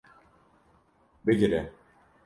Bigire